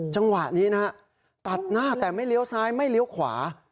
จังหวะนี้นะฮะตัดหน้าแต่ไม่เลี้ยวซ้ายไม่เลี้ยวขวา